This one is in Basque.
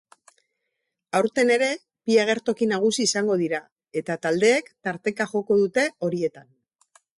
Aurten ere bi agertoki nagusi izango dira eta taldeek tarteka joko dute horietan.